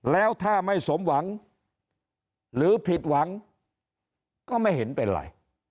แล้วถ้าไม่สมหวังหรือผิดหวังก็ไม่เห็นเป็นไร